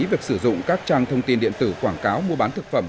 việc sử dụng các trang thông tin điện tử quảng cáo mua bán thực phẩm